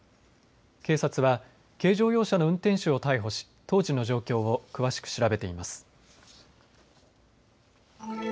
警察は軽乗用車の運転手を逮捕し当時の状況を詳しく調べています。